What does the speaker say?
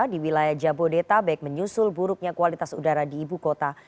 di wilayah jabodetabek menyusul buruknya kualitas udara di ibu kota